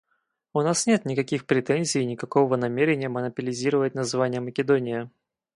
У нас нет никаких претензий и никакого намерения монополизировать название Македония.